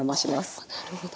おなるほど。